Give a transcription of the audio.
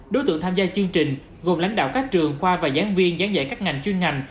đối tượng tham gia chương trình gồm lãnh đạo các trường khoa và giảng viên giảng dạy các ngành chuyên ngành